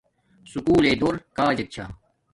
سکُول لݵ دور کاجک چھا